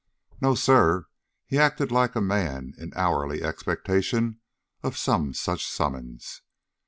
"No, sir. He acted like a man in hourly expectation of some such summons.